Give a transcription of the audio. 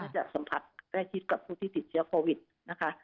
จะสัมผัสใกล้ชิดกับผู้ที่ติดเชื้อโควิดนะคะ